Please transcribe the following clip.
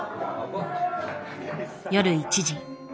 夜１時。